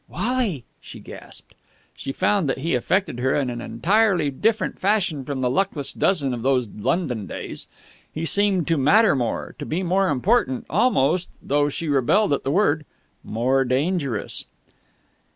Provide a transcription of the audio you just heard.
"Wally!" she gasped. She found that he affected her in an entirely different fashion from the luckless dozen of those London days. He seemed to matter more, to be more important, almost though she rebelled at the word more dangerous.